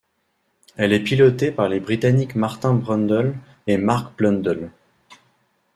Elle est pilotée par les Britanniques Martin Brundle et Mark Blundell.